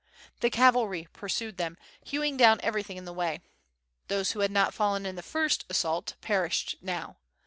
The cavalry pursued them, hewing down everything in the way. Those who had not fallen in the first assault perished now.